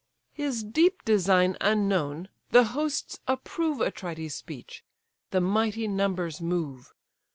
His deep design unknown, the hosts approve Atrides' speech. The mighty numbers move.